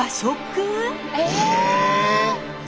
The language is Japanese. え！